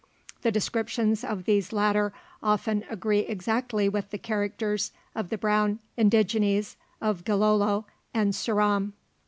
The descriptions of these latter often agree exactly with the characters of the brown indigenes of Gilolo and Ceram.